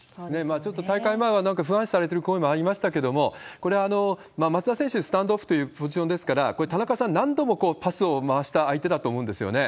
ちょっと大会前は、なんか不安視されてる声もありましたけれども、これ、松田選手、スタンドオフというポジションですから、田中さん、何度もパスを回した相手だと思うんですよね。